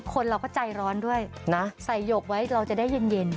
คนเราก็ใจร้อนด้วยนะใส่หยกไว้เราจะได้เย็น